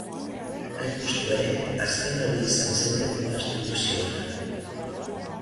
Hain justu ere, azken hori izan zen lepoa estutu ziona.